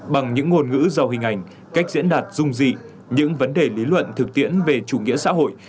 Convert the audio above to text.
bằng những ngôn ngữ giàu hình ảnh cách diễn đạt dung dị những vấn đề lý luận thực tiễn về chủ nghĩa xã hội